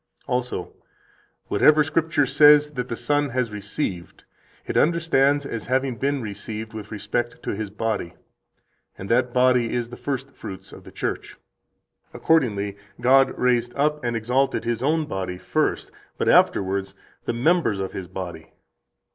45 Also: "Whatever Scripture says that the Son has received, it understands as having been received with respect to His body, and that body is the first fruits of the Church. Accordingly, God raised up and exalted His own body first, but afterwards the members of His body."